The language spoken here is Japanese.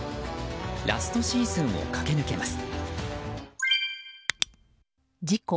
ラストシーズンを駆け抜けます。